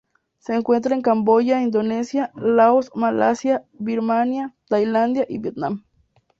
Se encuentra en Camboya, Indonesia, Laos, Malasia, Birmania, Tailandia, y Vietnam.